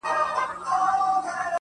هغه به اور له خپلو سترګو پرېولي.